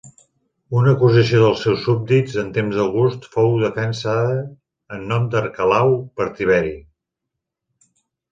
Una acusació dels seus súbdits en temps d'August fou defensada en nom d'Arquelau per Tiberi.